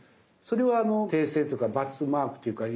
それは訂正というかバツマークというか。